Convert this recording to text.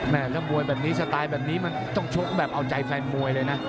ถ้ามวยแบบนี้สไตล์แบบนี้มันต้องชกแบบเอาใจแฟนมวยเลยนะ